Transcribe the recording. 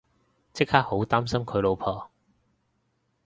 即刻好擔心佢老婆